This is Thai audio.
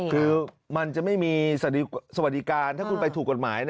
คือมันจะไม่มีสวัสดิการถ้าคุณไปถูกกฎหมาย